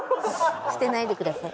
捨てないでください。